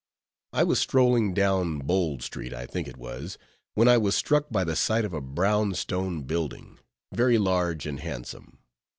I was strolling down Bold street, I think it was, when I was struck by the sight of a brown stone building, very large and handsome.